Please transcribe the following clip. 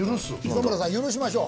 磯村さん許しましょう。